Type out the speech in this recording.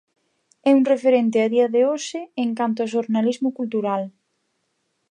É un referente a día de hoxe en canto a xornalismo cultural.